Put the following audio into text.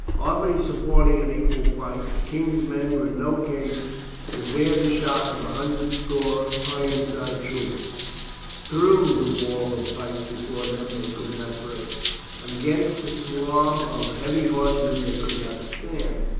Hardly supporting an equal fight, the King's men were in no case to bear the shock of a hundred score Ironside troopers. Through the wall of pikes be fore them they could not break. Against the swarm of heavy horsemen they could not stand.